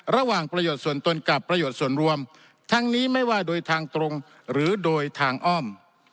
ระหว่างประโยชน์ส่วนตนกับประโยชน์ส่วนรวมทั้งนี้ไม่ว่าโดยทางตรงหรือโดยทางอ้อม